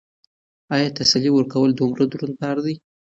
ایا تسلي ورکول دومره دروند بار دی؟